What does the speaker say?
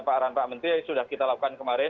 pak aran pak menteri sudah kita lakukan kemarin